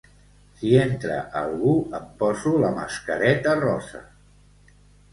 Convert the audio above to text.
Si entra algú em poso la mascareta rosa